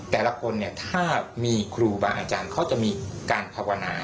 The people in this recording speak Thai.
แต่ละคนเนี่ยถ้ามีครูบางอาจารย์เขาจะมีการภาวนา